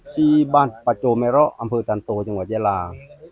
ที่บ้านปาโจเมร่ออำเภอตันโตจังหวัดเยลา